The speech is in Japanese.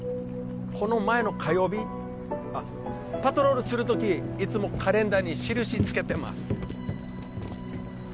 この前の火曜日あっパトロールする時いつもカレンダーに印つけてます